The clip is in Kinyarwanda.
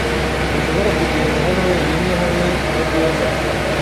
Ntushobora kundeka hano wenyine hamwe na Rwema.